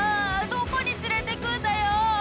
どこに連れてくんだよ！